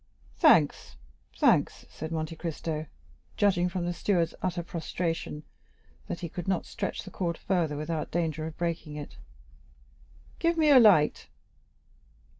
"Thanks, thanks," said Monte Cristo, judging from the steward's utter prostration that he could not stretch the cord further without danger of breaking it. "Give me a light."